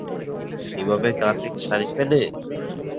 এভাবে গা থেকে শাড়ি ফেলে?